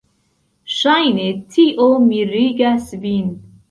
Ŝajne tio mirigas vin.